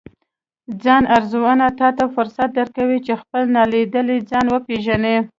ځان ارزونه تاته فرصت درکوي، چې خپل نالیدلی ځان وپیژنې